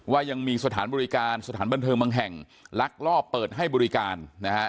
ว่ายังมีสถานบริการสถานบันเทิงบางแห่งลักลอบเปิดให้บริการนะฮะ